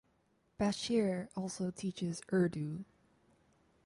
Bashir also teaches Urdu.